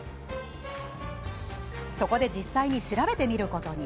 そこで、実際に調べてみることに。